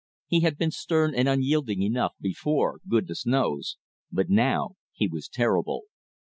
He had been stern and unyielding enough before, goodness knows, but now he was terrible.